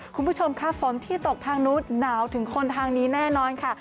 คุณผู้ชมค่ะฝนที่ตกทางนู้นหนาวถึงคนทางนี้แน่นอนค่ะ